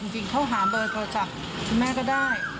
จริงเขาหาเบอร์เขาจากคุณแม่ก็ได้